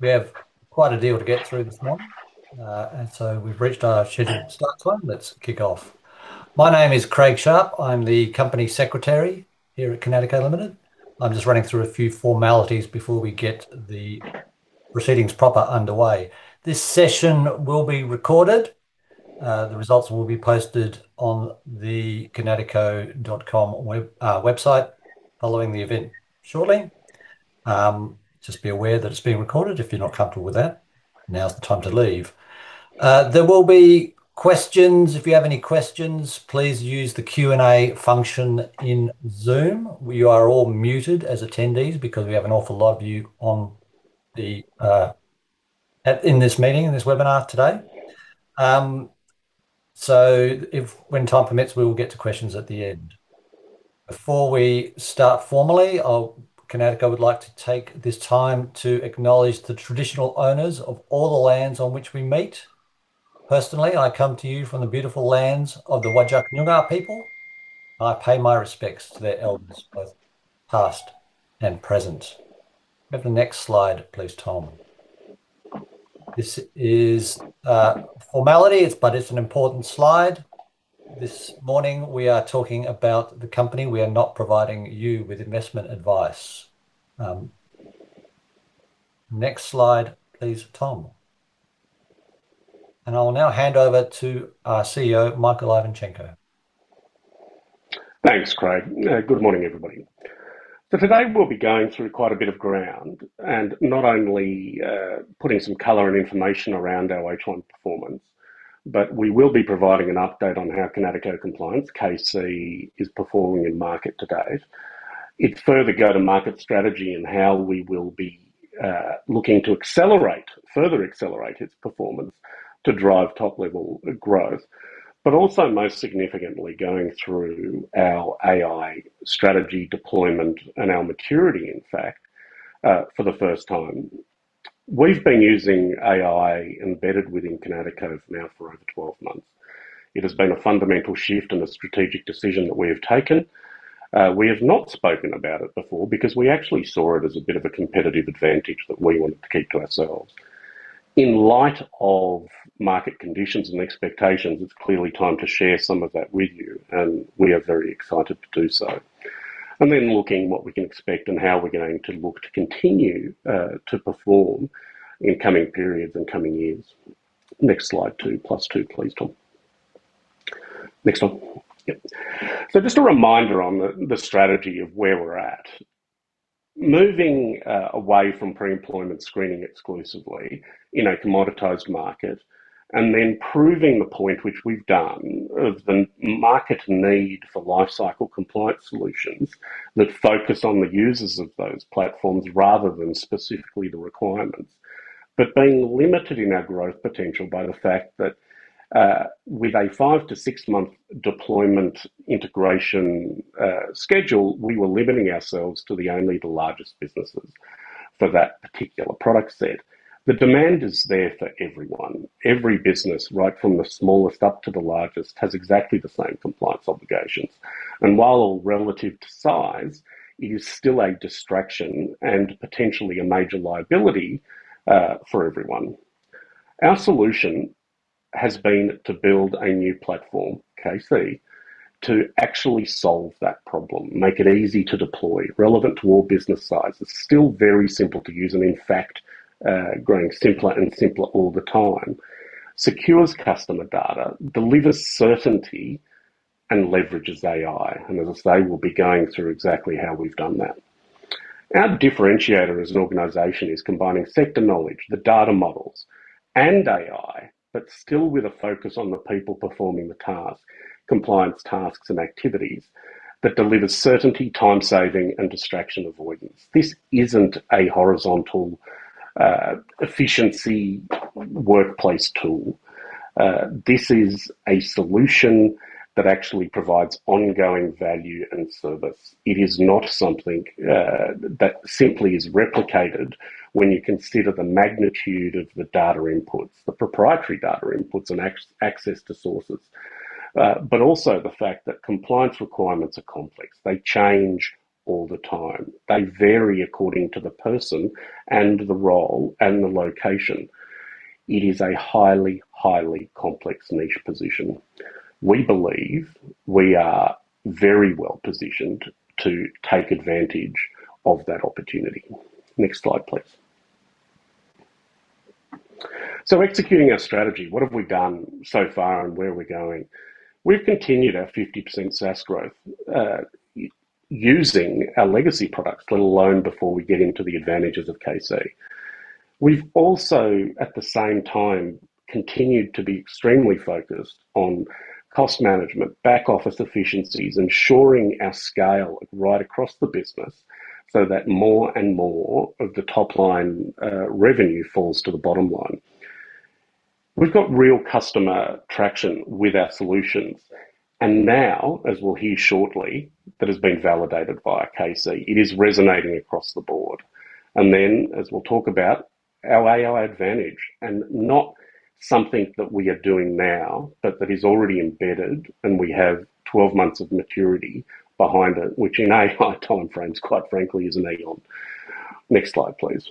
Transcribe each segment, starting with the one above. We have quite a deal to get through this morning, and so we've reached our scheduled start time. Let's kick off. My name is Craig Sharp. I'm the Company Secretary here at Kinatico Limited. I'm just running through a few formalities before we get the proceedings proper underway. This session will be recorded. The results will be posted on the Kinatico.com website following the event shortly. Just be aware that it's being recorded. If you're not comfortable with that, now is the time to leave. There will be questions. If you have any questions, please use the Q&A function in Zoom. We are all muted as attendees because we have an awful lot of you in this meeting, in this webinar today. So when time permits, we will get to questions at the end. Before we start formally, Kinatico would like to take this time to acknowledge the traditional owners of all the lands on which we meet. Personally, I come to you from the beautiful lands of the Whadjuk Noongar people, and I pay my respects to their elders, both past and present. Can we have the next slide, please, Tom? This is a formality, it's, but it's an important slide. This morning, we are talking about the company. We are not providing you with investment advice. Next slide, please, Tom. I will now hand over to our CEO, Michael Ivanchenko. Thanks, Craig. Good morning, everybody. So today, we'll be going through quite a bit of ground, and not only putting some color and information around our H1 performance, but we will be providing an update on how Kinatico Compliance, KC, is performing in market today. It's further go-to-market strategy and how we will be looking to accelerate, further accelerate its performance to drive top-level growth, but also, most significantly, going through our AI strategy, deployment, and our maturity, in fact, for the first time. We've been using AI embedded within Kinatico now for over 12 months. It has been a fundamental shift and a strategic decision that we have taken. We have not spoken about it before because we actually saw it as a bit of a competitive advantage that we wanted to keep to ourselves. In light of market conditions and expectations, it's clearly time to share some of that with you, and we are very excited to do so. And then looking what we can expect and how we're going to look to continue to perform in coming periods and coming years. Next slide, 2 + 2, please, Tom. Next one. Yep. So just a reminder on the strategy of where we're at. Moving away from pre-employment screening exclusively in a commoditized market, and then proving the point which we've done of the market need for lifecycle compliance solutions that focus on the users of those platforms rather than specifically the requirements. But being limited in our growth potential by the fact that with a five to six-month deployment integration schedule, we were limiting ourselves to only the largest businesses for that particular product set. The demand is there for everyone. Every business, right from the smallest up to the largest, has exactly the same compliance obligations. While all relative to size, it is still a distraction and potentially a major liability for everyone. Our solution has been to build a new platform, KC, to actually solve that problem, make it easy to deploy, relevant to all business sizes, still very simple to use, and in fact, growing simpler and simpler all the time, secures customer data, delivers certainty, and leverages AI. As I say, we'll be going through exactly how we've done that. Our differentiator as an organization is combining sector knowledge, the data models, and AI, but still with a focus on the people performing the task, compliance tasks and activities, that delivers certainty, time-saving and distraction avoidance. This isn't a horizontal efficiency workplace tool. This is a solution that actually provides ongoing value and service. It is not something that simply is replicated when you consider the magnitude of the data inputs, the proprietary data inputs and access to sources, but also the fact that compliance requirements are complex. They change all the time. They vary according to the person, and the role, and the location. It is a highly, highly complex niche position. We believe we are very well positioned to take advantage of that opportunity. Next slide, please. So executing our strategy, what have we done so far, and where are we going? We've continued our 50% SaaS growth using our legacy products, let alone before we get into the advantages of KC. We've also, at the same time, continued to be extremely focused on cost management, back office efficiencies, ensuring our scale right across the business so that more and more of the top-line revenue falls to the bottom line. We've got real customer traction with our solutions, and now, as we'll hear shortly, that has been validated via KC. It is resonating across the board. And then, as we'll talk about, our AI advantage, and not something that we are doing now, but that is already embedded, and we have 12 months of maturity behind it, which in AI time frames, quite frankly, is an eon. Next slide, please.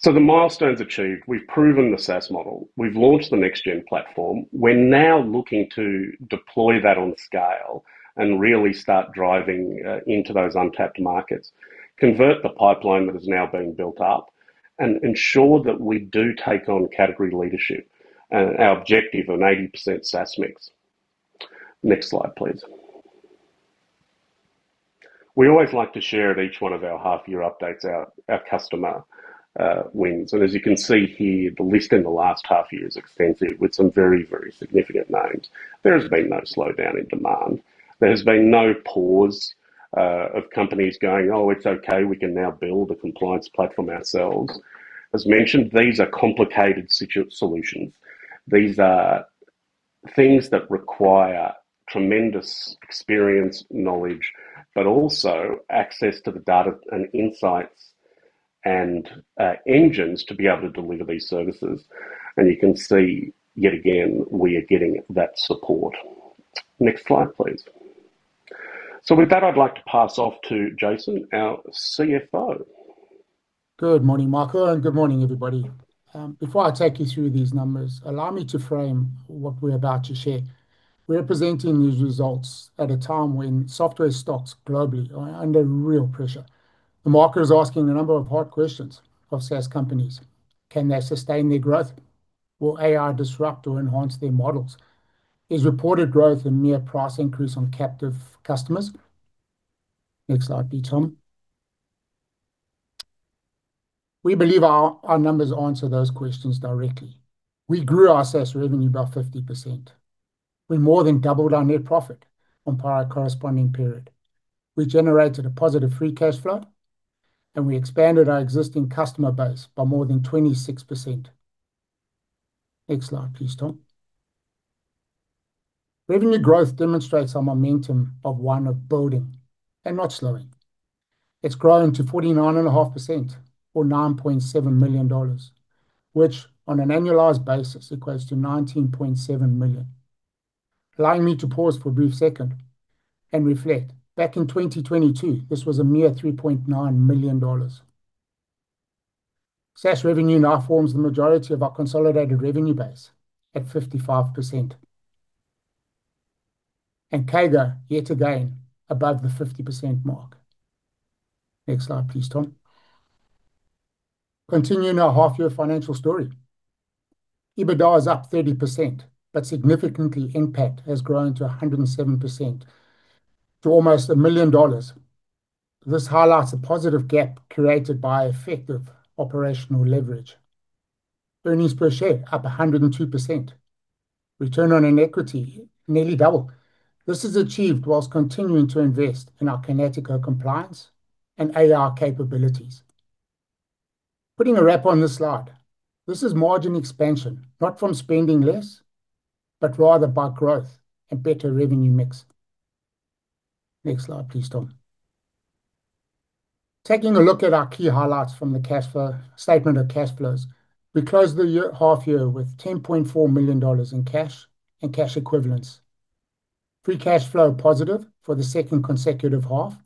So the milestones achieved. We've proven the SaaS model. We've launched the next-gen platform. We're now looking to deploy that on scale and really start driving into those untapped markets, convert the pipeline that has now been built up, and ensure that we do take on category leadership and our objective of 80% SaaS mix. Next slide, please. We always like to share at each one of our half-year updates our customer wins. As you can see here, the list in the last half year is extensive, with some very, very significant names. There has been no slowdown in demand. There has been no pause of companies going: "Oh, it's okay, we can now build a compliance platform ourselves." As mentioned, these are complicated solutions. These are things that require tremendous experience, knowledge, but also access to the data and insights and engines to be able to deliver these services. You can see, yet again, we are getting that support. Next slide, please. With that, I'd like to pass off to Jason, our CFO. Good morning, Michael, and good morning, everybody. Before I take you through these numbers, allow me to frame what we're about to share. We're presenting these results at a time when software stocks globally are under real pressure. The market is asking a number of hard questions of SaaS companies. Can they sustain their growth? Will AI disrupt or enhance their models? Is reported growth a mere price increase on captive customers? Next slide, please, Tom. We believe our numbers answer those questions directly. We grew our SaaS revenue by 50%. We more than doubled our net profit on prior corresponding period. We generated a positive free cash flow, and we expanded our existing customer base by more than 26%. Next slide, please, Tom. Revenue growth demonstrates our momentum of one of building and not slowing. It's grown to 49.5%, or 9.7 million dollars, which, on an annualized basis, equates to 19.7 million. Allow me to pause for a brief second and reflect. Back in 2022, this was a mere 3.9 million dollars. SaaS revenue now forms the majority of our consolidated revenue base at 55%, and CAGR, yet again, above the 50% mark. Next slide, please, Tom. Continuing our half-year financial story, EBITDA is up 30%, but significantly, NPAT has grown to 107% to almost 1 million dollars. This highlights a positive gap created by effective operational leverage. Earnings per share up 102%. Return on equity, nearly double. This is achieved while continuing to invest in our Kinatico Compliance and AI capabilities. Putting a wrap on this slide, this is margin expansion, not from spending less, but rather by growth and better revenue mix. Next slide, please, Tom. Taking a look at our key highlights from the cash flow statement of cash flows. We closed the half year with 10.4 million dollars in cash and cash equivalents. Free cash flow positive for the second consecutive half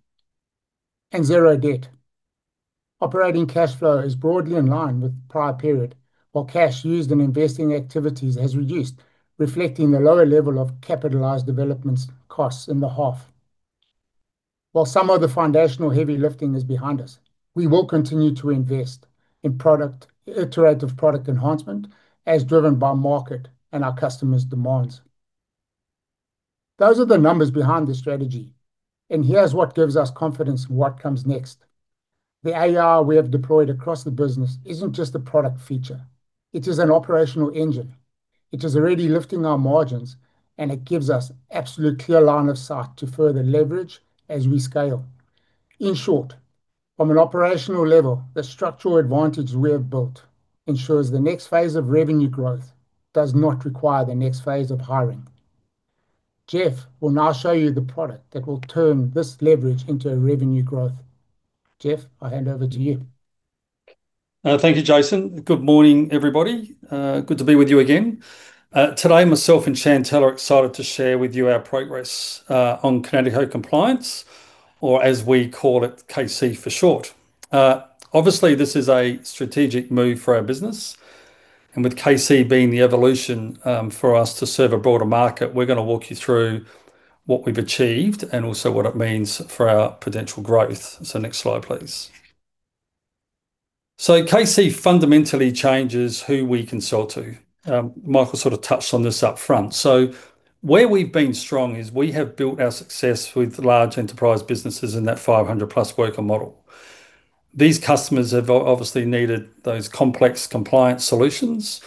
and zero debt. Operating cash flow is broadly in line with the prior period, while cash used in investing activities has reduced, reflecting the lower level of capitalized development costs in the half. While some of the foundational heavy lifting is behind us, we will continue to invest in product, iterative product enhancement, as driven by market and our customers' demands. Those are the numbers behind the strategy, and here's what gives us confidence in what comes next. The AI we have deployed across the business isn't just a product feature, it is an operational engine. It is already lifting our margins, and it gives us absolute clear line of sight to further leverage as we scale. In short, from an operational level, the structural advantage we have built ensures the next phase of revenue growth does not require the next phase of hiring. Geoff will now show you the product that will turn this leverage into a revenue growth. Geoff, I hand over to you. Thank you, Jason. Good morning, everybody. Good to be with you again. Today, myself and Chantal are excited to share with you our progress on Kinatico Compliance, or as we call it, KC for short. Obviously, this is a strategic move for our business, and with KC being the evolution for us to serve a broader market, we're gonna walk you through what we've achieved and also what it means for our potential growth. So next slide, please. So KC fundamentally changes who we consult to. Michael sort of touched on this upfront. So where we've been strong is we have built our success with large enterprise businesses in that 500+ worker model. These customers have obviously needed those complex compliance solutions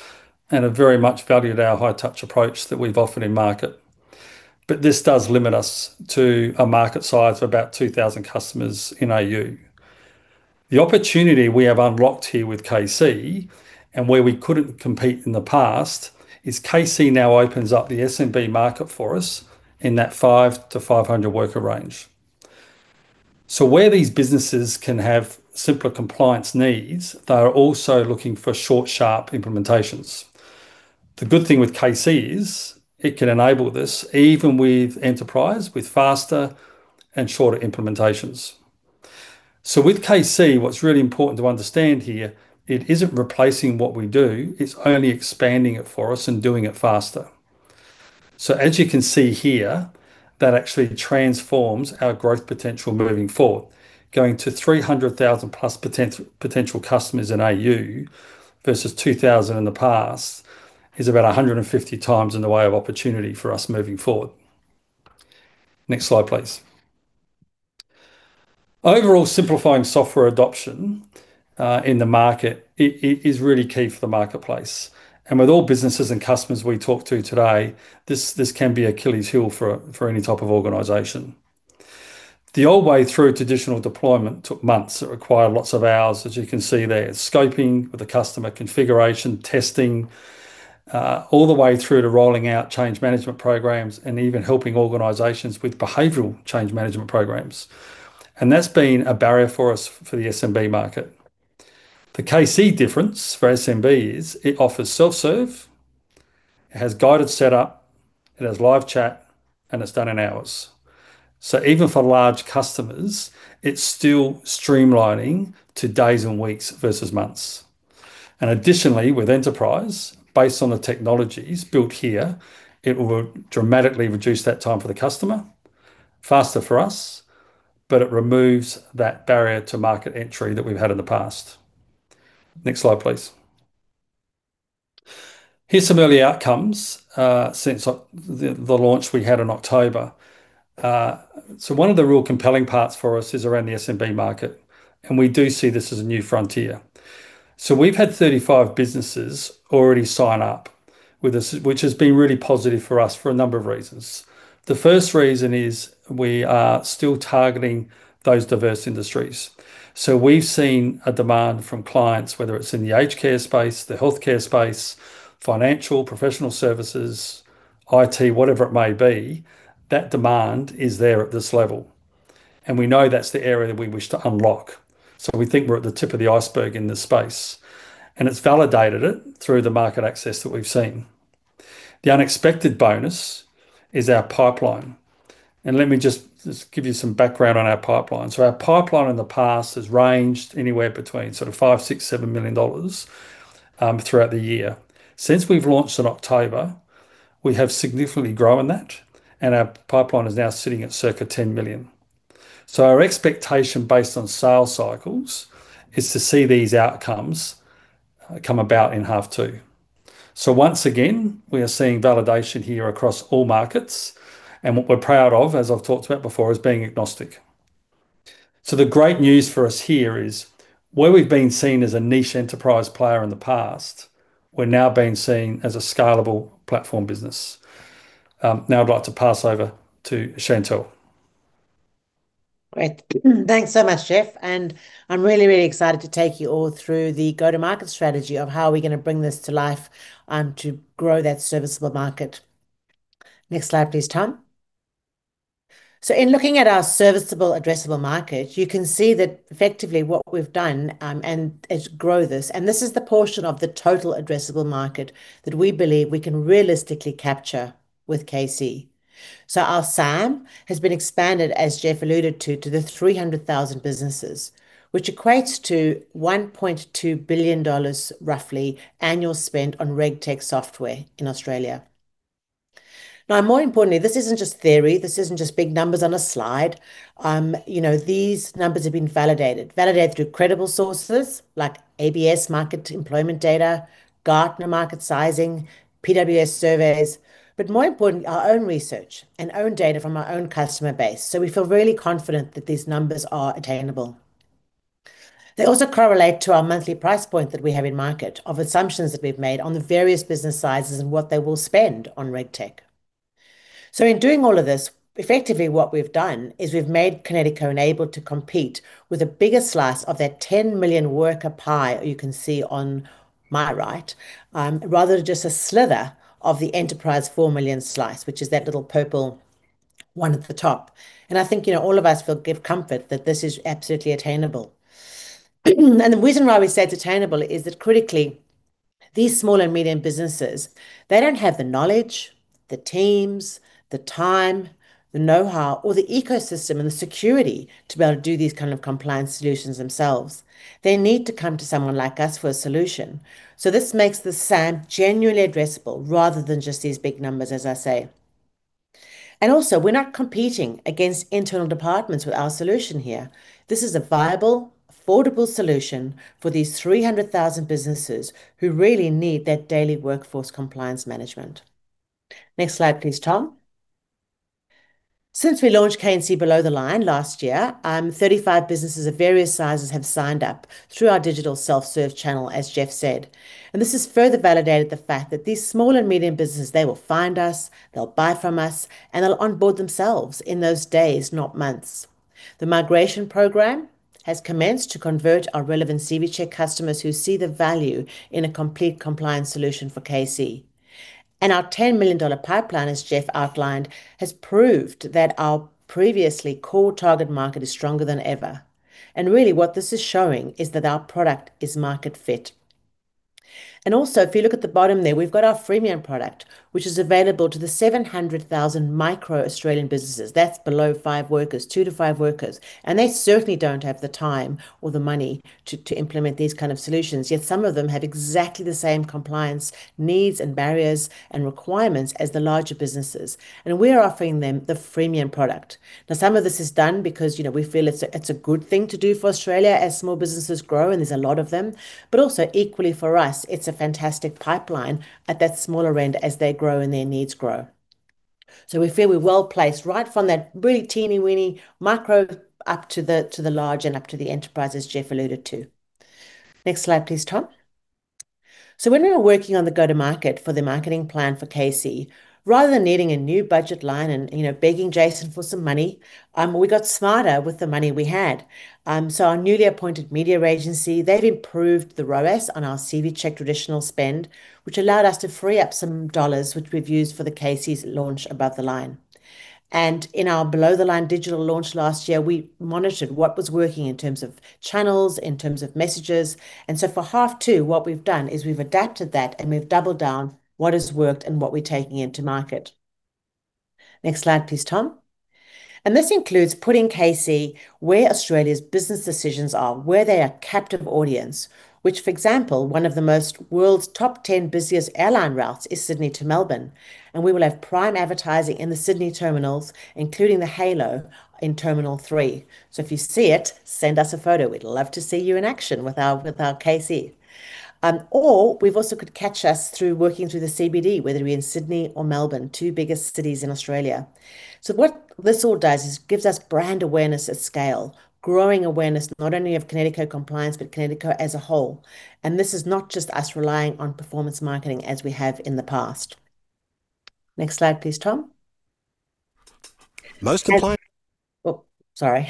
and have very much valued our high touch approach that we've offered in market. But this does limit us to a market size of about 2,000 customers in AU. The opportunity we have unlocked here with KC, and where we couldn't compete in the past, is KC now opens up the SMB market for us in that 5-500 worker range. So where these businesses can have simpler compliance needs, they are also looking for short, sharp implementations. The good thing with KC is it can enable this, even with enterprise, with faster and shorter implementations. So with KC, what's really important to understand here, it isn't replacing what we do, it's only expanding it for us and doing it faster. So as you can see here, that actually transforms our growth potential moving forward. Going to 300,000+ potential customers in AU versus 2,000 in the past, is about 150 times in the way of opportunity for us moving forward. Next slide, please. Overall, simplifying software adoption in the market is really key for the marketplace. With all businesses and customers we talked to today, this can be Achilles heel for any type of organization. The old way through traditional deployment took months. It required lots of hours, as you can see there, scoping with the customer, configuration, testing, all the way through to rolling out change management programs, and even helping organizations with behavioral change management programs. That's been a barrier for us for the SMB market. The KC difference for SMB is it offers self-serve, it has guided setup, it has live chat, and it's done in hours. So even for large customers, it's still streamlining to days and weeks versus months. Additionally, with enterprise, based on the technologies built here, it will dramatically reduce that time for the customer, faster for us, but it removes that barrier to market entry that we've had in the past. Next slide, please. Here's some early outcomes since the launch we had in October. One of the real compelling parts for us is around the SMB market, and we do see this as a new frontier. We've had 35 businesses already sign up with us, which has been really positive for us for a number of reasons. The first reason is we are still targeting those diverse industries. So we've seen a demand from clients, whether it's in the aged care space, the healthcare space, financial, professional services, IT, whatever it may be, that demand is there at this level, and we know that's the area that we wish to unlock. So we think we're at the tip of the iceberg in this space, and it's validated it through the market access that we've seen. The unexpected bonus is our pipeline. And let me just give you some background on our pipeline. So our pipeline in the past has ranged anywhere between sort of 5 million-7 million dollars throughout the year. Since we've launched in October, we have significantly grown that, and our pipeline is now sitting at circa 10 million. So our expectation, based on sales cycles, is to see these outcomes come about in half two. So once again, we are seeing validation here across all markets, and what we're proud of, as I've talked about before, is being agnostic. So the great news for us here is, where we've been seen as a niche enterprise player in the past, we're now being seen as a scalable platform business. Now I'd like to pass over to Chantal. Great. Thanks so much, Geoff, and I'm really, really excited to take you all through the go-to-market strategy of how are we gonna bring this to life, to grow that serviceable market. Next slide, please, Tom. So in looking at our serviceable addressable market, you can see that effectively what we've done, and as grow this, and this is the portion of the total addressable market that we believe we can realistically capture with KC. So our SAM has been expanded, as Geoff alluded to, to the 300,000 businesses, which equates to 1.2 billion dollars, roughly, annual spend on RegTech software in Australia. Now, more importantly, this isn't just theory, this isn't just big numbers on a slide. You know, these numbers have been validated, validated through credible sources like ABS market employment data, Gartner market sizing, PwC surveys, but more importantly, our own research and own data from our own customer base. So we feel really confident that these numbers are attainable. They also correlate to our monthly price point that we have in market of assumptions that we've made on the various business sizes and what they will spend on RegTech. So in doing all of this, effectively what we've done is we've made Kinatico enabled to compete with a bigger slice of that 10 million worker pie you can see on my right, rather than just a sliver of the enterprise 4 million slice, which is that little purple one at the top. And I think, you know, all of us feel give comfort that this is absolutely attainable. The reason why we say it's attainable is that, critically, these small and medium businesses, they don't have the knowledge, the teams, the time, the know-how, or the ecosystem and the security to be able to do these kind of compliance solutions themselves. They need to come to someone like us for a solution. So this makes the SAM genuinely addressable rather than just these big numbers, as I say. And also, we're not competing against internal departments with our solution here. This is a viable, affordable solution for these 300,000 businesses who really need that daily workforce compliance management. Next slide, please, Tom. Since we launched KC Below the Line last year, 35 businesses of various sizes have signed up through our digital self-serve channel, as Geoff said. This has further validated the fact that these small and medium businesses, they will find us, they'll buy from us, and they'll onboard themselves in those days, not months. The migration program has commenced to convert our relevant CVCheck customers who see the value in a complete compliance solution for KC. Our 10 million dollar pipeline, as Geoff outlined, has proved that our previously core target market is stronger than ever. Really, what this is showing is that our product is market fit. Also, if you look at the bottom there, we've got our freemium product, which is available to the 700,000 micro Australian businesses. That's below five workers, two to five workers, and they certainly don't have the time or the money to implement these kind of solutions, yet some of them have exactly the same compliance needs and barriers and requirements as the larger businesses, and we are offering them the freemium product. Now, some of this is done because, you know, we feel it's a good thing to do for Australia as small businesses grow, and there's a lot of them, but also equally for us, it's a fantastic pipeline at that smaller end as they grow and their needs grow. So we feel we're well-placed, right from that really teeny-weeny micro up to the large and up to the enterprises Geoff alluded to. Next slide, please, Tom. So when we were working on the go-to-market for the marketing plan for KC, rather than needing a new budget line and, you know, begging Jason for some money, we got smarter with the money we had. So our newly appointed media agency, they've improved the ROAS on our CVCheck traditional spend, which allowed us to free up some AUD, which we've used for KC's launch Above the Line. And in our Below the Line digital launch last year, we monitored what was working in terms of channels, in terms of messages, and so for H2, what we've done is we've adapted that, and we've doubled down what has worked and what we're taking into market. Next slide, please, Tom. This includes putting KC where Australia's business decisions are, where they are captive audience, which, for example, one of the world's top ten busiest airline routes is Sydney to Melbourne, and we will have prime advertising in the Sydney terminals, including the Halo in Terminal 3. So if you see it, send us a photo. We'd love to see you in action with our, with our KC. Or we've also could catch us through working through the CBD, whether it be in Sydney or Melbourne, two biggest cities in Australia. So what this all does is gives us brand awareness at scale, growing awareness not only of Kinatico Compliance, but Kinatico as a whole. And this is not just us relying on performance marketing as we have in the past. Next slide, please, Tom. Most compliant- Oh, sorry.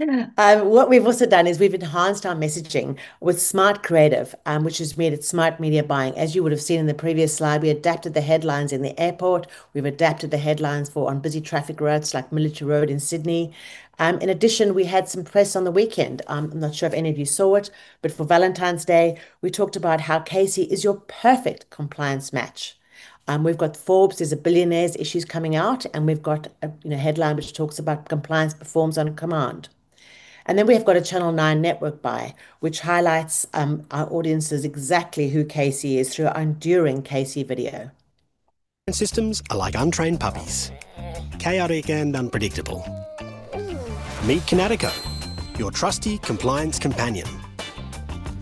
What we've also done is we've enhanced our messaging with smart creative, which has meant smart media buying. As you would have seen in the previous slide, we adapted the headlines in the airport. We've adapted the headlines for on busy traffic routes like Military Road in Sydney. In addition, we had some press on the weekend. I'm not sure if any of you saw it, but for Valentine's Day, we talked about how KC is your perfect compliance match. We've got Forbes, there's a Billionaires issue coming out, and we've got a, you know, headline which talks about compliance performs on command. And then we have got a Channel 9 network buy, which highlights our audiences exactly who KC is through our enduring KC video. Systems are like untrained puppies, chaotic and unpredictable. Meet Kinatico, your trusty compliance companion.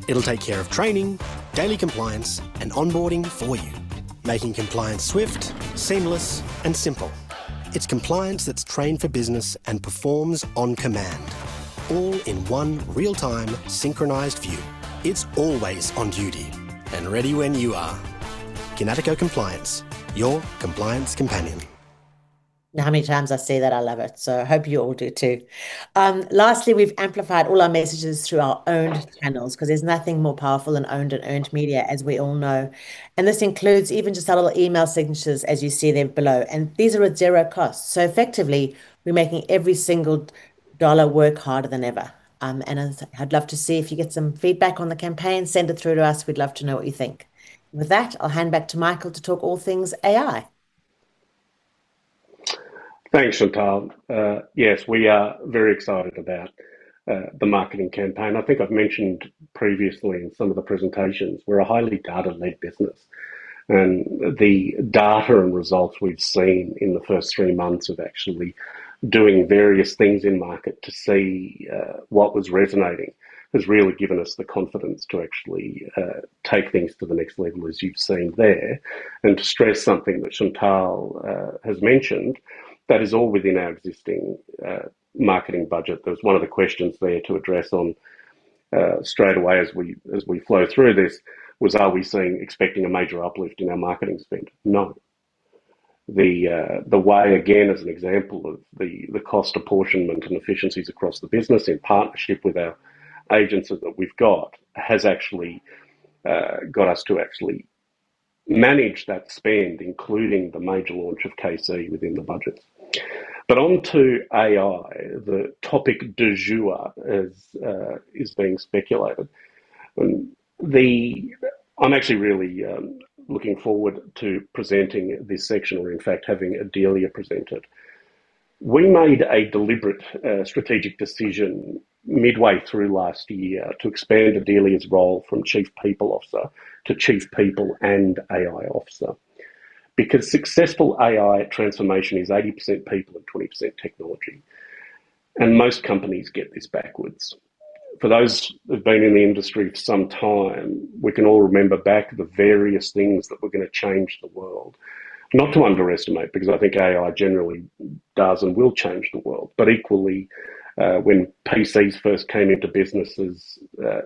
It'll take care of training, daily compliance, and onboarding for you, making compliance swift, seamless and simple. It's compliance that's trained for business and performs on command, all in one real-time, synchronized view. It's always on duty and ready when you are. Kinatico Compliance, your compliance companion. Now, how many times I say that I love it, so I hope you all do, too. Lastly, we've amplified all our messages through our owned channels, 'cause there's nothing more powerful than owned and earned media, as we all know. And this includes even just our little email signatures as you see them below, and these are at zero cost. So effectively, we're making every single dollar work harder than ever. And I'd, I'd love to see if you get some feedback on the campaign, send it through to us. We'd love to know what you think. With that, I'll hand back to Michael to talk all things AI. Thanks, Chantal. Yes, we are very excited about the marketing campaign. I think I've mentioned previously in some of the presentations, we're a highly data-led business, and the data and results we've seen in the first three months of actually doing various things in-market to see what was resonating has really given us the confidence to actually take things to the next level, as you've seen there. And to stress something that Chantal has mentioned, that is all within our existing marketing budget. That was one of the questions there to address on straightaway as we flow through this: Are we seeing, expecting a major uplift in our marketing spend? No. The way, again, as an example of the cost apportionment and efficiencies across the business in partnership with our agents that we've got, has actually got us to actually manage that spend, including the major launch of KC within the budget. But on to AI, the topic du jour, as is being speculated. And the, I'm actually really looking forward to presenting this section, or in fact, having Odelia present it. We made a deliberate strategic decision midway through last year to expand Odelia's role from Chief People Officer to Chief People and AI Officer. Because successful AI transformation is 80% people and 20% technology, and most companies get this backwards. For those who've been in the industry for some time, we can all remember back the various things that were going to change the world. Not to underestimate, because I think AI generally does and will change the world, but equally, when PCs first came into businesses,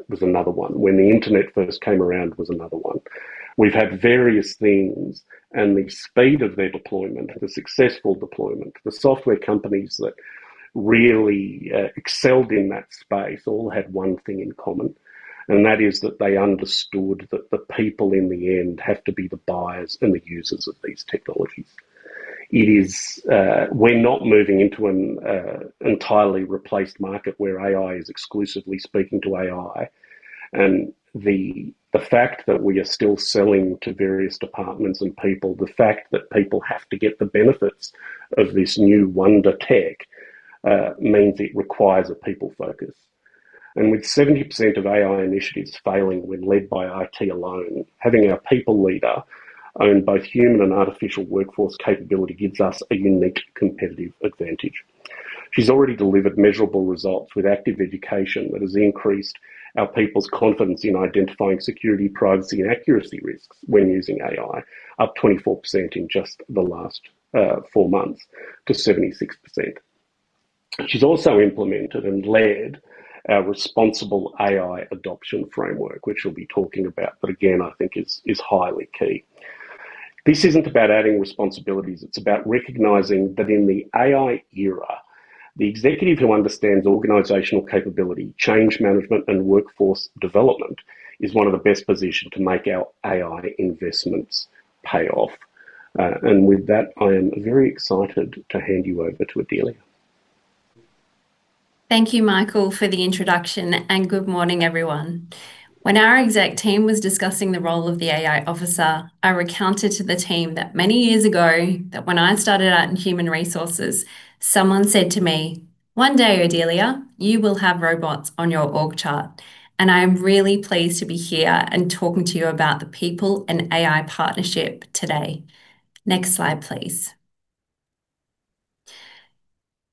was another one. When the internet first came around was another one. We've had various things, and the speed of their deployment, the successful deployment, the software companies that really excelled in that space all had one thing in common, and that is that they understood that the people in the end have to be the buyers and the users of these technologies. It is, we're not moving into an entirely replaced market where AI is exclusively speaking to AI. And the fact that we are still selling to various departments and people, the fact that people have to get the benefits of this new wonder tech, means it requires a people focus. And with 70% of AI initiatives failing when led by IT alone, having a people leader own both human and artificial workforce capability gives us a unique competitive advantage. She's already delivered measurable results with active education that has increased our people's confidence in identifying security, privacy, and accuracy risks when using AI, up 24% in just the last 4 months to 76%. She's also implemented and led our responsible AI adoption framework, which she'll be talking about, but again, I think is highly key. This isn't about adding responsibilities, it's about recognizing that in the AI era, the executive who understands organizational capability, change management, and workforce development is one of the best positioned to make our AI investments pay off. And with that, I am very excited to hand you over to Odelia. Thank you, Michael, for the introduction, and good morning, everyone. When our exec team was discussing the role of the AI officer, I recounted to the team that many years ago, when I started out in human resources, someone said to me, "One day, Odelia, you will have robots on your org chart." And I am really pleased to be here and talking to you about the people and AI partnership today. Next slide, please.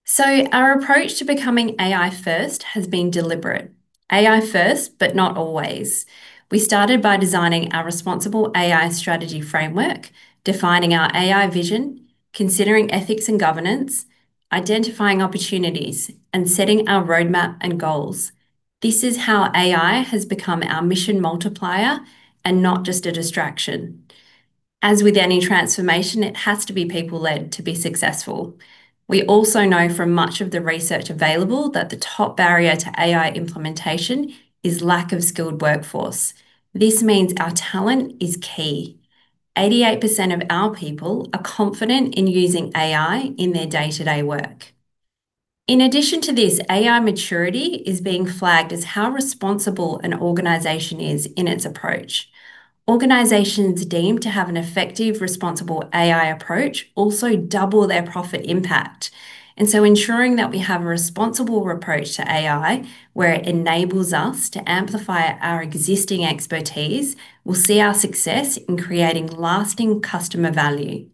So our approach to becoming AI first has been deliberate. AI first, but not always. We started by designing our responsible AI strategy framework, defining our AI vision, considering ethics and governance, identifying opportunities, and setting our roadmap and goals. This is how AI has become our mission multiplier, and not just a distraction. As with any transformation, it has to be people-led to be successful. We also know from much of the research available that the top barrier to AI implementation is lack of skilled workforce. This means our talent is key. 88% of our people are confident in using AI in their day-to-day work. In addition to this, AI maturity is being flagged as how responsible an organization is in its approach. Organizations deemed to have an effective, responsible AI approach also double their profit impact. And so ensuring that we have a responsible approach to AI, where it enables us to amplify our existing expertise, we'll see our success in creating lasting customer value.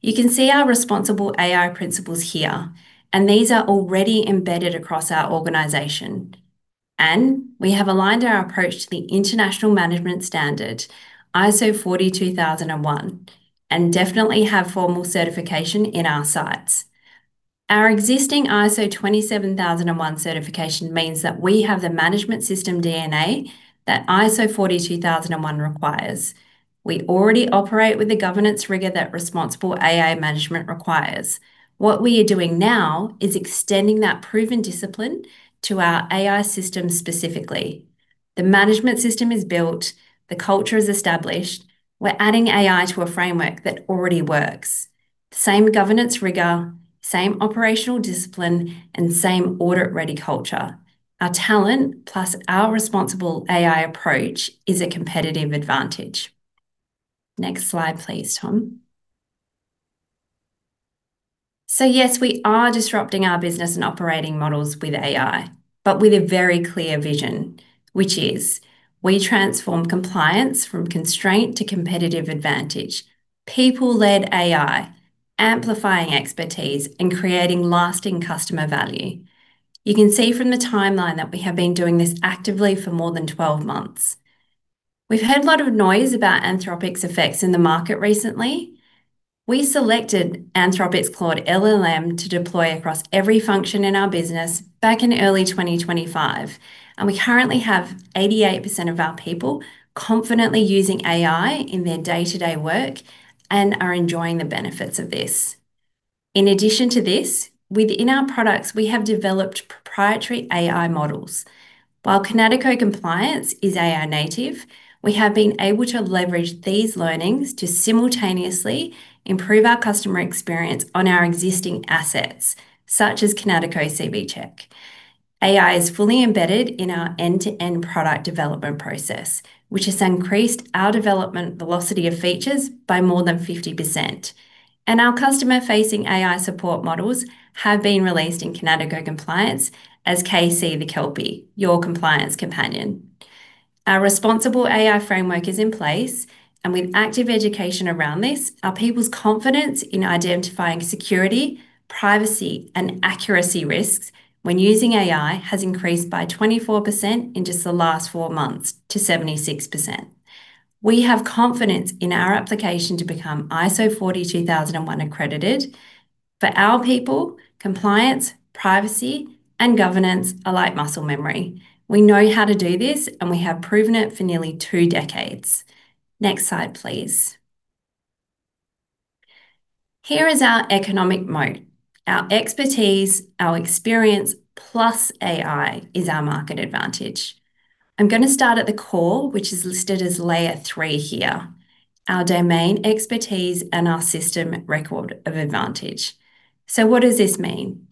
You can see our responsible AI principles here, and these are already embedded across our organization, and we have aligned our approach to the International Management Standard, ISO 42001, and definitely have formal certification in our sights. Our existing ISO 27001 certification means that we have the management system DNA that ISO 42001 requires. We already operate with the governance rigor that responsible AI management requires. What we are doing now is extending that proven discipline to our AI system specifically. The management system is built, the culture is established. We're adding AI to a framework that already works. Same governance rigor, same operational discipline, and same audit-ready culture. Our talent, plus our responsible AI approach, is a competitive advantage. Next slide, please, Tom. So yes, we are disrupting our business and operating models with AI, but with a very clear vision, which is: we transform compliance from constraint to competitive advantage, people-led AI, amplifying expertise, and creating lasting customer value. You can see from the timeline that we have been doing this actively for more than 12 months. We've heard a lot of noise about Anthropic's effects in the market recently. We selected Anthropic's Claude LLM to deploy across every function in our business back in early 2025, and we currently have 88% of our people confidently using AI in their day-to-day work and are enjoying the benefits of this. In addition to this, within our products, we have developed proprietary AI models. While Kinatico Compliance is AI native, we have been able to leverage these learnings to simultaneously improve our customer experience on our existing assets, such as Kinatico CVCheck. AI is fully embedded in our end-to-end product development process, which has increased our development velocity of features by more than 50%, and our customer-facing AI support models have been released in Kinatico Compliance as KC, the Kelpie, your compliance companion. Our responsible AI framework is in place, and with active education around this, our people's confidence in identifying security, privacy, and accuracy risks when using AI has increased by 24% in just the last 4 months to 76%. We have confidence in our application to become ISO 42001 accredited. For our people, compliance, privacy, and governance are like muscle memory. We know how to do this, and we have proven it for nearly three decades. Next slide, please. Here is our economic moat. Our expertise, our experience, plus AI is our market advantage. I'm going to start at the core, which is listed as layer three here, our domain expertise and our system record of advantage. So what does this mean?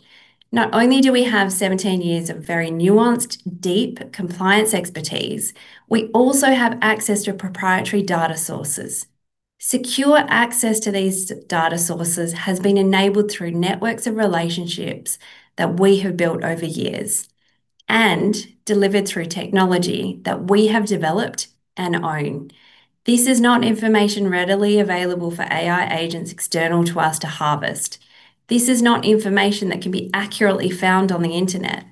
Not only do we have 17 years of very nuanced, deep compliance expertise, we also have access to proprietary data sources. Secure access to these data sources has been enabled through networks of relationships that we have built over years and delivered through technology that we have developed and own. This is not information readily available for AI agents external to us to harvest. This is not information that can be accurately found on the internet.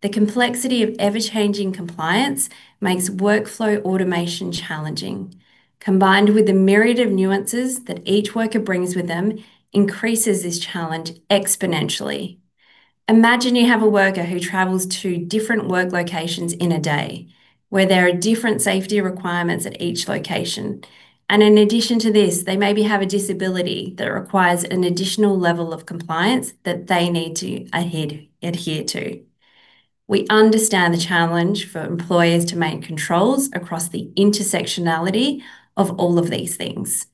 The complexity of ever-changing compliance makes workflow automation challenging. Combined with the myriad of nuances that each worker brings with them, increases this challenge exponentially. Imagine you have a worker who travels to different work locations in a day, where there are different safety requirements at each location, and in addition to this, they maybe have a disability that requires an additional level of compliance that they need to adhere to. We understand the challenge for employers to maintain controls across the intersectionality of all of these things.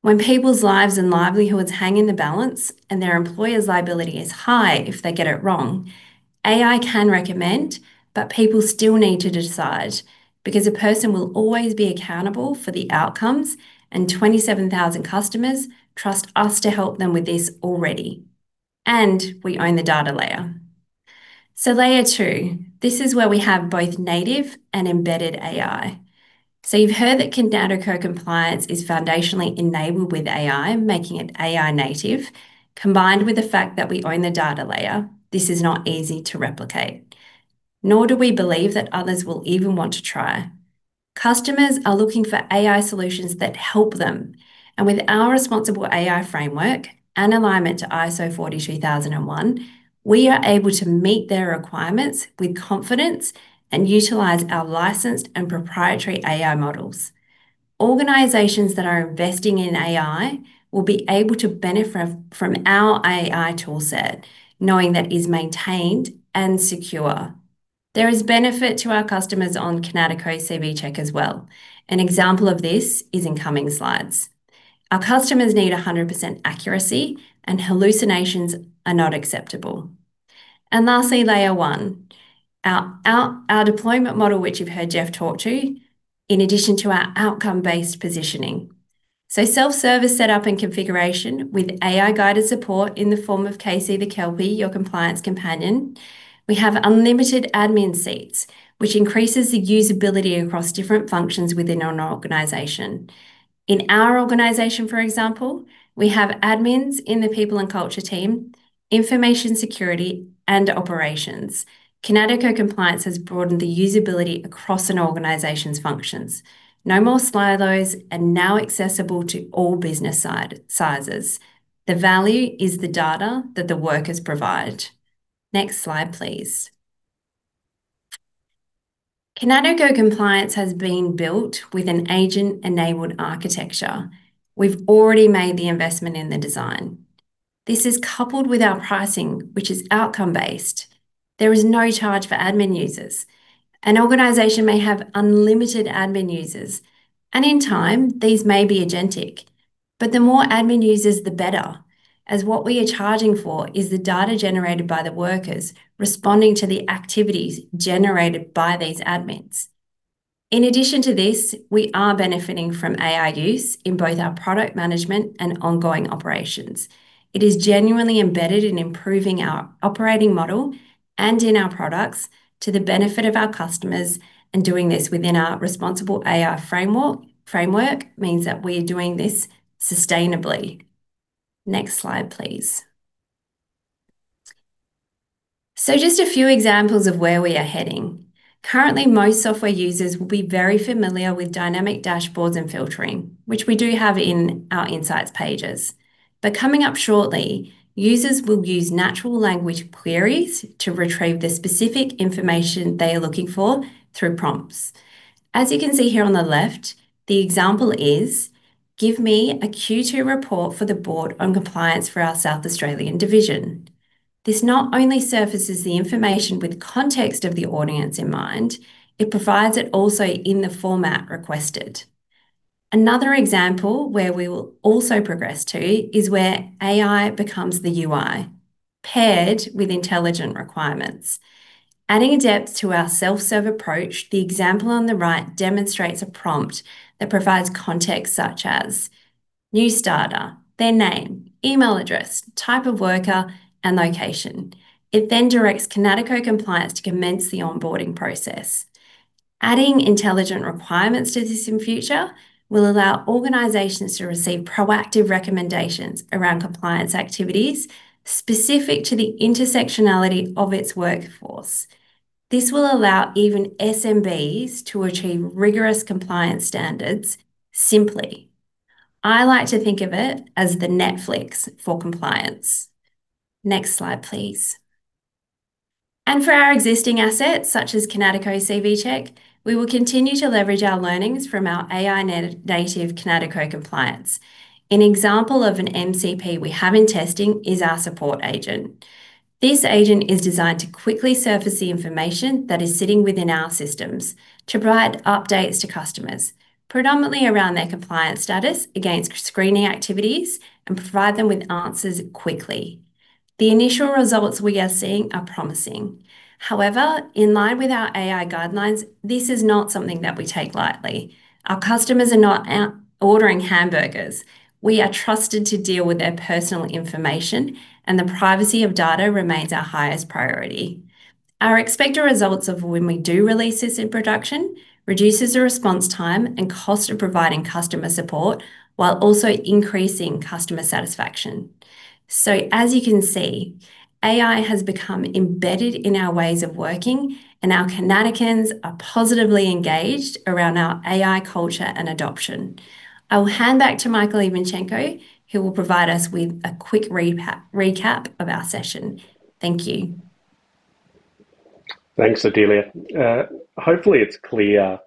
When people's lives and livelihoods hang in the balance, and their employer's liability is high if they get it wrong, AI can recommend, but people still need to decide, because a person will always be accountable for the outcomes, and 27,000 customers trust us to help them with this already, and we own the data layer. So layer two, this is where we have both native and embedded AI. So you've heard that Kinatico Compliance is foundationally enabled with AI, making it AI native. Combined with the fact that we own the data layer, this is not easy to replicate, nor do we believe that others will even want to try. Customers are looking for AI solutions that help them, and with our responsible AI framework and alignment to ISO 42001, we are able to meet their requirements with confidence and utilize our licensed and proprietary AI models. Organizations that are investing in AI will be able to benefit from our AI toolset, knowing that it is maintained and secure. There is benefit to our customers on Kinatico CVCheck as well. An example of this is in coming slides. Our customers need 100% accuracy, and hallucinations are not acceptable. Lastly, layer one. Our deployment model, which you've heard Geoff talk to, in addition to our outcome-based positioning. So self-service setup and configuration with AI-guided support in the form of KC, the Kelpie, your compliance companion. We have unlimited admin seats, which increases the usability across different functions within an organization. In our organization, for example, we have admins in the people and culture team, information security, and operations. Kinatico Compliance has broadened the usability across an organization's functions. No more silos and now accessible to all business sizes. The value is the data that the workers provide. Next slide, please. Kinatico Compliance has been built with an agent-enabled architecture. We've already made the investment in the design. This is coupled with our pricing, which is outcome-based. There is no charge for admin users. An organization may have unlimited admin users, and in time, these may be agentic. But the more admin users, the better, as what we are charging for is the data generated by the workers responding to the activities generated by these admins. In addition to this, we are benefiting from AI use in both our product management and ongoing operations. It is genuinely embedded in improving our operating model and in our products to the benefit of our customers, and doing this within our responsible AI framework. Framework means that we are doing this sustainably. Next slide, please. So just a few examples of where we are heading. Currently, most software users will be very familiar with dynamic dashboards and filtering, which we do have in our insights pages. But coming up shortly, users will use natural language queries to retrieve the specific information they are looking for through prompts. As you can see here on the left, the example is, "Give me a Q2 report for the board on compliance for our South Australian division." This not only surfaces the information with context of the audience in mind. It provides it also in the format requested. Another example where we will also progress to is where AI becomes the UI, paired with intelligent requirements. Adding a depth to our self-serve approach, the example on the right demonstrates a prompt that provides context, such as new starter, their name, email address, type of worker, and location. It then directs Kinatico Compliance to commence the onboarding process. Adding intelligent requirements to this in future will allow organizations to receive proactive recommendations around compliance activities specific to the intersectionality of its workforce. This will allow even SMBs to achieve rigorous compliance standards simply. I like to think of it as the Netflix for compliance. Next slide, please. For our existing assets, such as Kinatico CVCheck, we will continue to leverage our learnings from our AI-native Kinatico Compliance. An example of an MCP we have in testing is our support agent. This agent is designed to quickly surface the information that is sitting within our systems to provide updates to customers, predominantly around their compliance status against screening activities, and provide them with answers quickly. The initial results we are seeing are promising. However, in line with our AI guidelines, this is not something that we take lightly. Our customers are not out ordering hamburgers. We are trusted to deal with their personal information, and the privacy of data remains our highest priority. Our expected results of when we do release this in production reduces the response time and cost of providing customer support, while also increasing customer satisfaction. So as you can see, AI has become embedded in our ways of working, and our Kinaticoans are positively engaged around our AI culture and adoption. I will hand back to Michael Ivanchenko, who will provide us with a quick recap of our session. Thank you. Thanks, Odelia. Hopefully, it's clear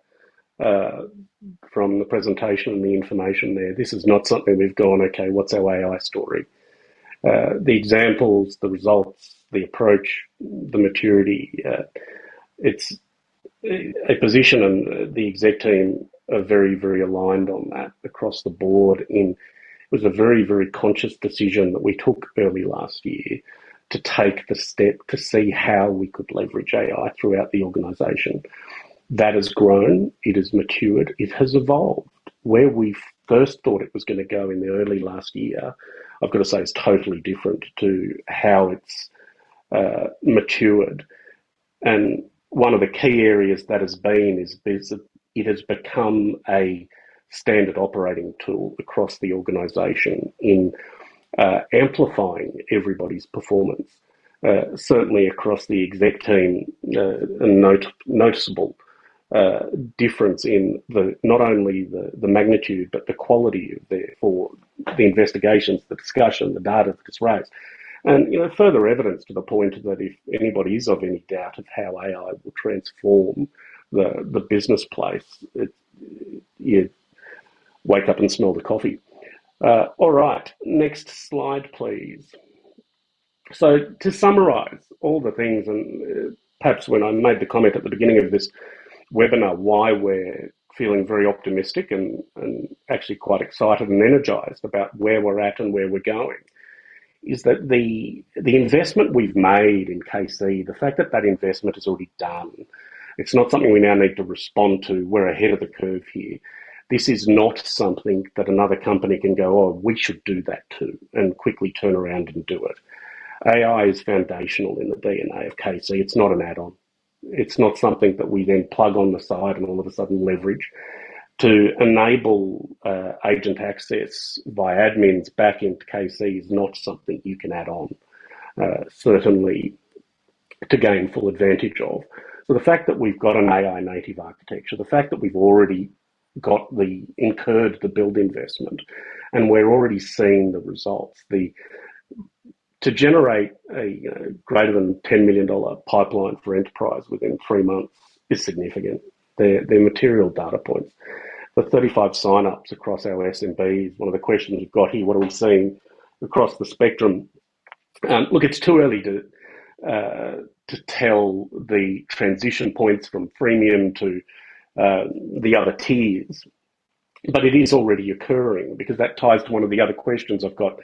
from the presentation and the information there, this is not something we've gone, "Okay, what's our AI story?" The examples, the results, the approach, the maturity, it's a position, and the exec team are very, very aligned on that across the board. It was a very, very conscious decision that we took early last year to take the step to see how we could leverage AI throughout the organization. That has grown, it has matured, it has evolved. Where we first thought it was gonna go in the early last year, I've got to say it's totally different to how it's matured. One of the key areas that has been is it has become a standard operating tool across the organization in amplifying everybody's performance. Certainly across the exec team, a noticeable difference in the, not only the magnitude, but the quality of the investigations, the discussion, the data that gets raised. And, you know, further evidence to the point that if anybody is of any doubt of how AI will transform the business place, it's time to wake up and smell the coffee. All right, next slide, please. So to summarize all the things, and perhaps when I made the comment at the beginning of this webinar, why we're feeling very optimistic and actually quite excited and energized about where we're at and where we're going, is that the investment we've made in KC, the fact that that investment is already done, it's not something we now need to respond to. We're ahead of the curve here. This is not something that another company can go, "Oh, we should do that, too," and quickly turn around and do it. AI is foundational in the DNA of KC. It's not an add-on. It's not something that we then plug on the side and all of a sudden leverage. To enable agent access by admins back into KC is not something you can add on, certainly to gain full advantage of. So the fact that we've got an AI-native architecture, the fact that we've already got the incurred the build investment, and we're already seeing the results, to generate a, you know, greater than 10 million dollar pipeline for enterprise within three months is significant. They're material data points. The 35 sign-ups across our SMB is one of the questions we've got here, what are we seeing across the spectrum? Look, it's too early to tell the transition points from freemium to the other tiers, but it is already occurring because that ties to one of the other questions I've got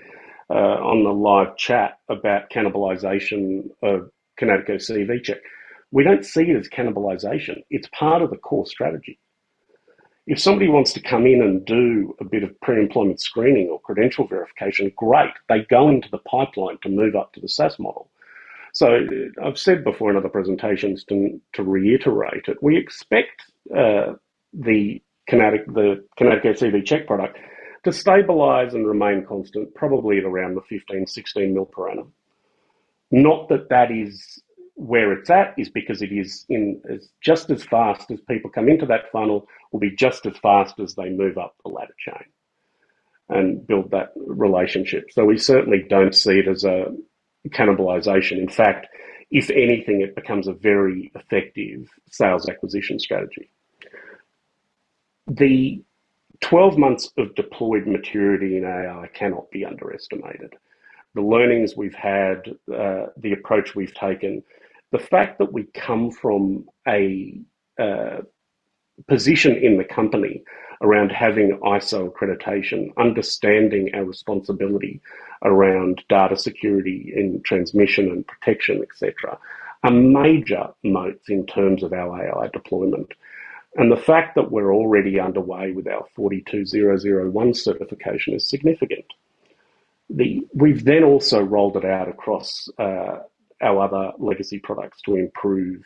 on the live chat about cannibalization of Kinatico CVCheck. We don't see it as cannibalization. It's part of the core strategy. If somebody wants to come in and do a bit of pre-employment screening or credential verification, great. They go into the pipeline to move up to the SaaS model. So I've said before in other presentations, to reiterate it, we expect the Kinatico CVCheck product to stabilize and remain constant, probably at around 15 million-16 million per annum. Not that that is where it's at is because it is in as just as fast as people come into that funnel, will be just as fast as they move up the ladder chain and build that relationship. So we certainly don't see it as a cannibalization. In fact, if anything, it becomes a very effective sales acquisition strategy. The 12 months of deployed maturity in AI cannot be underestimated. The learnings we've had, the approach we've taken, the fact that we come from a position in the company around having ISO accreditation, understanding our responsibility around data security and transmission and protection, et cetera, are major moats in terms of our AI deployment. And the fact that we're already underway with our 42001 certification is significant. We've then also rolled it out across our other legacy products to improve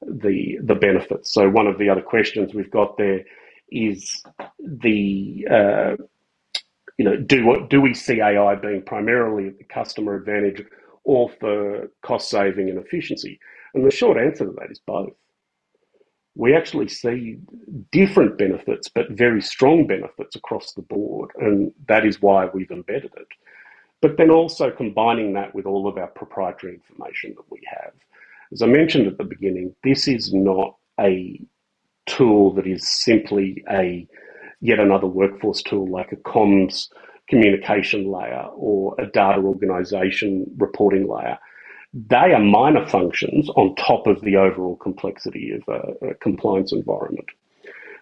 the benefits. So one of the other questions we've got there is, you know, do we see AI being primarily at the customer advantage or for cost saving and efficiency? And the short answer to that is both. We actually see different benefits, but very strong benefits across the board, and that is why we've embedded it. But then also combining that with all of our proprietary information that we have. As I mentioned at the beginning, this is not a tool that is simply a yet another workforce tool, like a comms communication layer or a data organization reporting layer. They are minor functions on top of the overall complexity of a compliance environment.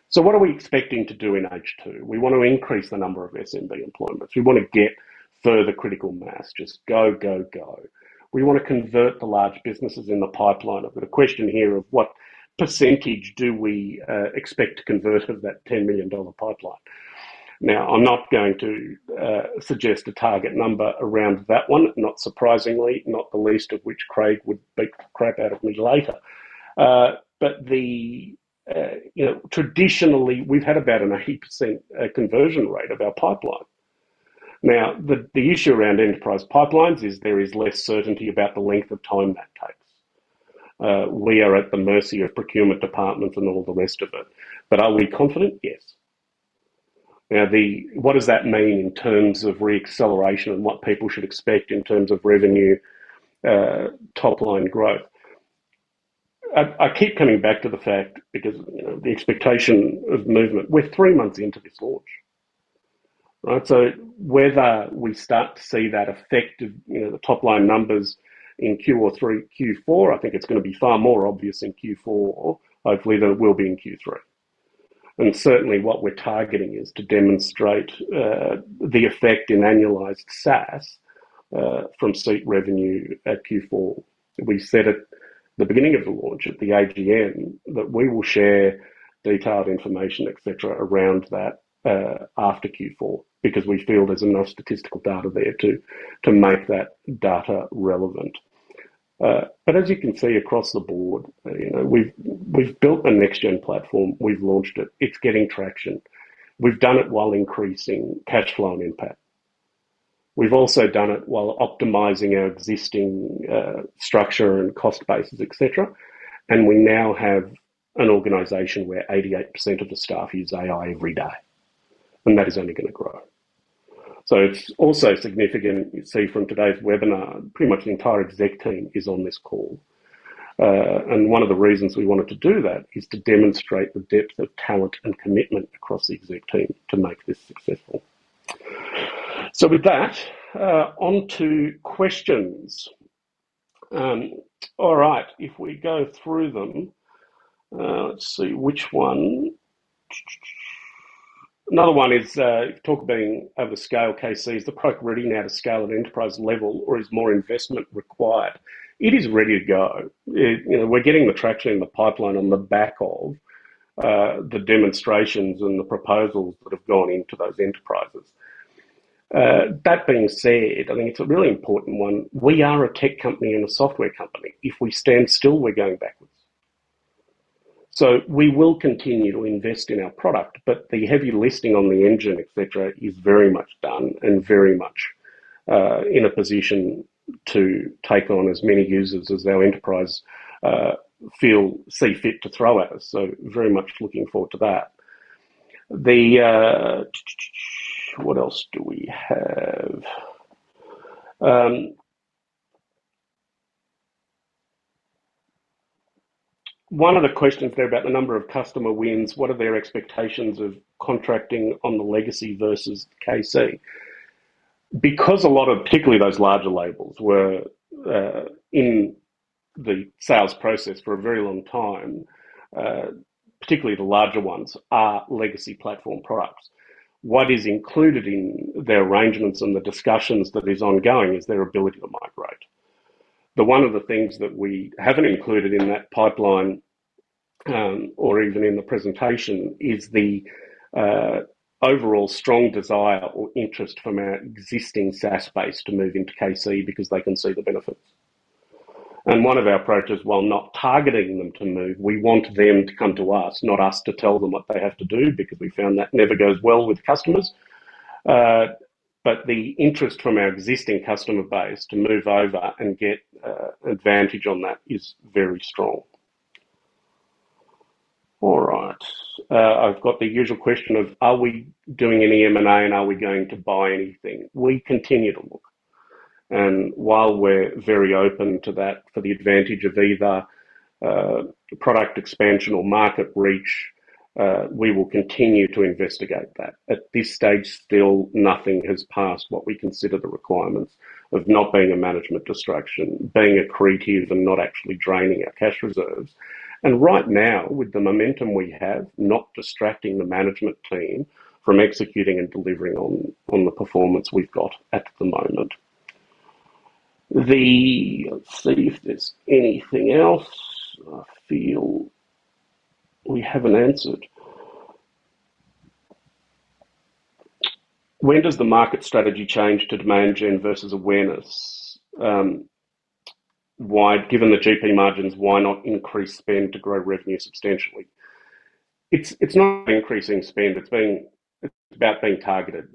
So what are we expecting to do in H2? We want to increase the number of SMB employments. We want to get further critical mass. Just go, go, go. We want to convert the large businesses in the pipeline. I've got a question here of what percentage do we expect to convert of that 10 million dollar pipeline? Now, I'm not going to suggest a target number around that one, not surprisingly, not the least of which Craig would beat the crap out of me later. But, you know, traditionally, we've had about an 8% conversion rate of our pipeline. Now, the issue around enterprise pipelines is there is less certainty about the length of time that takes. We are at the mercy of procurement departments and all the rest of it. But are we confident? Yes. Now, what does that mean in terms of re-acceleration and what people should expect in terms of revenue, top-line growth? I keep coming back to the fact, because, you know, the expectation of movement, we're three months into this launch. Right? So whether we start to see that effect of, you know, the top-line numbers in Q3 or Q4, I think it's going to be far more obvious in Q4, or hopefully, than it will be in Q3. And certainly what we're targeting is to demonstrate the effect in annualized SaaS from state revenue at Q4. We said at the beginning of the launch, at the AGM, that we will share detailed information, et cetera, around that after Q4, because we feel there's enough statistical data there to make that data relevant. But as you can see across the board, you know, we've built a next-gen platform. We've launched it. It's getting traction. We've done it while increasing cash flow and NPAT. We've also done it while optimizing our existing structure and cost bases, et cetera, and we now have an organization where 88% of the staff use AI every day, and that is only going to grow. So it's also significant, you see from today's webinar, pretty much the entire exec team is on this call. And one of the reasons we wanted to do that is to demonstrate the depth of talent and commitment across the exec team to make this successful. So with that, on to questions. All right, if we go through them, let's see which one. Another one is, talk about being over scale KC. Is the product ready now to scale at enterprise level, or is more investment required? It is ready to go. You know, we're getting the traction in the pipeline on the back of the demonstrations and the proposals that have gone into those enterprises. That being said, I think it's a really important one. We are a tech company and a software company. If we stand still, we're going backwards. So we will continue to invest in our product, but the heavy lifting on the engine, et cetera, is very much done and very much in a position to take on as many users as our enterprises see fit to throw at us. So very much looking forward to that. What else do we have? One of the questions there about the number of customer wins, what are their expectations of contracting on the legacy versus KC? Because a lot of particularly those larger labels were in the sales process for a very long time, particularly the larger ones, are legacy platform products. What is included in their arrangements and the discussions that is ongoing is their ability to migrate. One of the things that we haven't included in that pipeline, or even in the presentation, is the overall strong desire or interest from our existing SaaS base to move into KC because they can see the benefits. And one of our approaches, while not targeting them to move, we want them to come to us, not us to tell them what they have to do, because we found that never goes well with customers. But the interest from our existing customer base to move over and get advantage on that is very strong. All right. I've got the usual question of, are we doing any M&A, and are we going to buy anything? We continue to look. And while we're very open to that for the advantage of either, product expansion or market reach, we will continue to investigate that. At this stage, still, nothing has passed what we consider the requirements of not being a management distraction, being accretive, and not actually draining our cash reserves. And right now, with the momentum we have, not distracting the management team from executing and delivering on the performance we've got at the moment. Let's see if there's anything else I feel we haven't answered. When does the market strategy change to demand gen versus awareness? Given the GP margins, why not increase spend to grow revenue substantially? It's not increasing spend, it's about being targeted.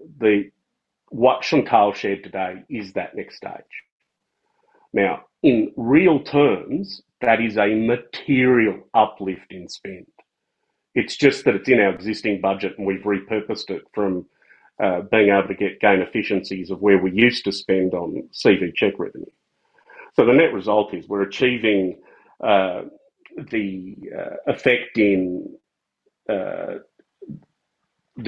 What Chantal shared today is that next stage. Now, in real terms, that is a material uplift in spend. It's just that it's in our existing budget, and we've repurposed it from being able to get gain efficiencies of where we used to spend on CVCheck revenue. So the net result is we're achieving the effect in the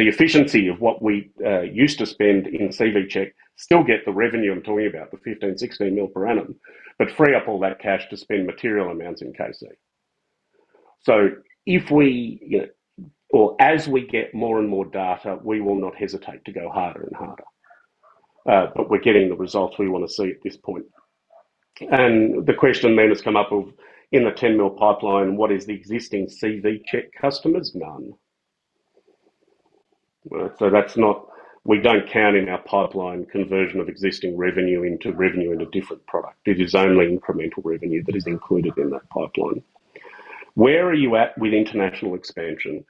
efficiency of what we used to spend in CVCheck, still get the revenue I'm talking about, the 15 million-16 million per annum, but free up all that cash to spend material amounts in KC. So if we, you know, or as we get more and more data, we will not hesitate to go harder and harder, but we're getting the results we want to see at this point. The question then has come up of, in the 10 million pipeline, what is the existing CVCheck customers? None. So that's not. We don't count in our pipeline conversion of existing revenue into revenue in a different product. It is only incremental revenue that is included in that pipeline. Where are you at with international expansion?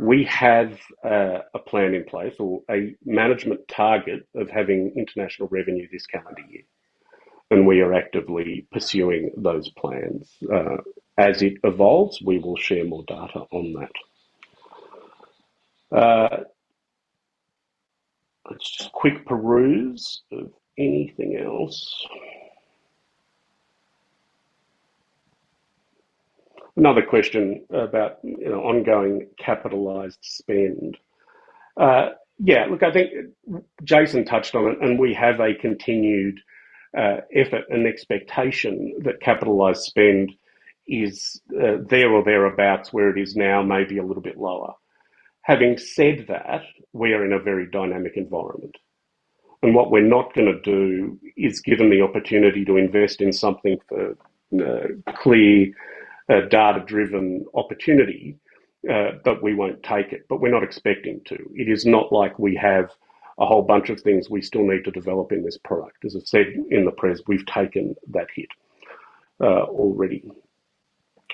We have a plan in place or a management target of having international revenue this calendar year, and we are actively pursuing those plans. As it evolves, we will share more data on that. Let's just quick peruse of anything else. Another question about, you know, ongoing capitalized spend. Yeah, look, I think Jason touched on it, and we have a continued effort and expectation that capitalized spend is there or thereabouts where it is now, maybe a little bit lower. Having said that, we are in a very dynamic environment, and what we're not gonna do is, given the opportunity to invest in something for, clear, data-driven opportunity, but we won't take it, but we're not expecting to. It is not like we have a whole bunch of things we still need to develop in this product. As I've said in the press, we've taken that hit, already.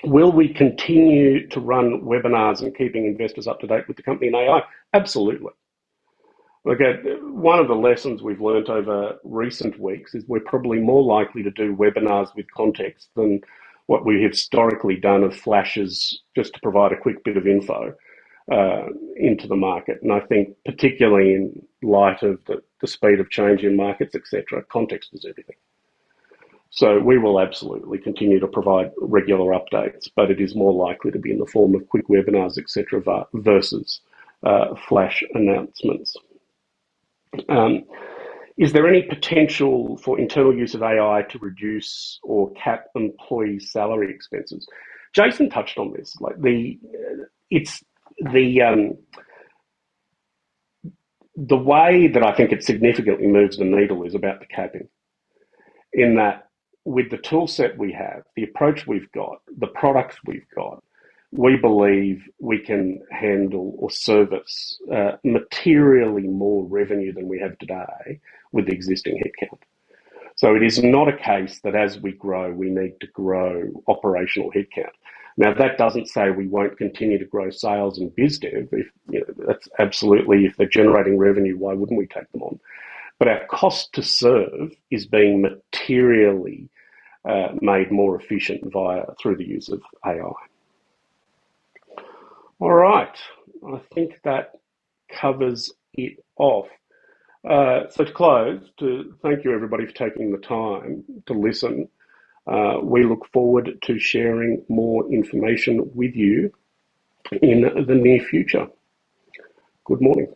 Will we continue to run webinars and keeping investors up to date with the company and AI? Absolutely. Look at, one of the lessons we've learned over recent weeks is we're probably more likely to do webinars with context than what we historically done of flashes, just to provide a quick bit of info, into the market, and I think particularly in light of the, the speed of change in markets, et cetera, context is everything. So we will absolutely continue to provide regular updates, but it is more likely to be in the form of quick webinars, et cetera, versus flash announcements. Is there any potential for internal use of AI to reduce or cap employee salary expenses? Jason touched on this. Like, it's the way that I think it significantly moves the needle is about the capping. In that, with the toolset we have, the approach we've got, the products we've got, we believe we can handle or service materially more revenue than we have today with the existing headcount. So it is not a case that as we grow, we need to grow operational headcount. Now, that doesn't say we won't continue to grow sales and biz dev, if you know, that's absolutely, if they're generating revenue, why wouldn't we take them on? But our cost to serve is being materially made more efficient via, through the use of AI. All right, I think that covers it off. So to close, to thank you, everybody, for taking the time to listen. We look forward to sharing more information with you in the near future. Good morning.